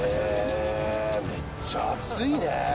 めっちゃ熱いねぇ。